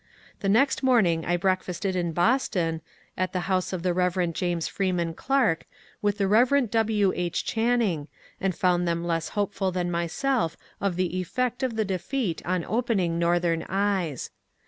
The next morning I breakfasted in Boston, at the house of the Rev. James Freeman Clarke, with the Rev. W. H. Channing, and found them less hopeful than myself of the effect of the defeat on opening Northern eyes.